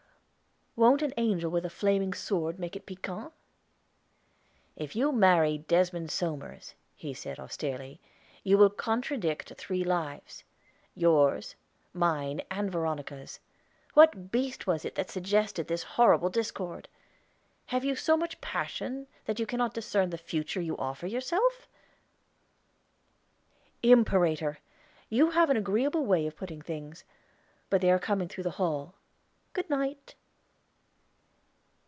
"Wont an angel with a flaming sword make it piquant?" "If you marry Desmond Somers," he said austerely, "you will contradict three lives, yours, mine, and Veronica's. What beast was it that suggested this horrible discord? Have you so much passion that you cannot discern the future you offer yourself?" "Imperator, you have an agreeable way of putting things. But they are coming through the hall. Good night."